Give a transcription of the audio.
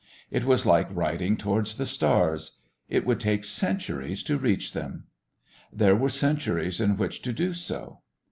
It was like riding towards the stars. It would take centuries to reach them. There were centuries in which to do so.